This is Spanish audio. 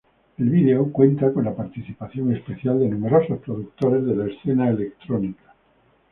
El video cuenta con la participación especial de numerosos productores de la escena electrónica.